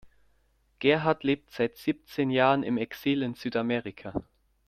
Gerhard lebt seit siebzehn Jahren im Exil in Südamerika.